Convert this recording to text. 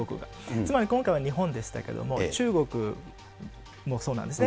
つまり、今回は日本でしたけども、中国もそうなんですね。